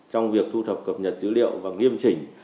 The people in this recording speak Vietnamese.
trong việc thu thập cập nhật dữ liệu và nghiêm chỉnh